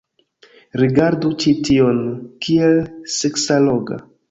Rigardu ĉi tion. Kiel seksalloga.